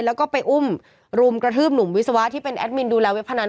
แล้วก็ไปอุ้มรุมกระทืบหนุ่มวิศวะที่เป็นแอดมินดูแลเว็บพนัน